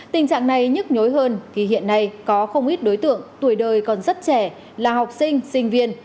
tình trạng này nhức nhối hơn khi hiện nay có không ít đối tượng tuổi đời còn rất trẻ là học sinh sinh viên